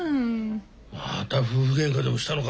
また夫婦げんかでもしたのか？